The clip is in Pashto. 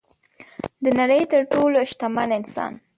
د نړۍ تر ټولو شتمن انسان